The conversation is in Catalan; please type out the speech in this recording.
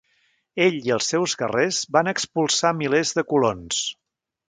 Ell i els seus guerrers van expulsar milers de colons.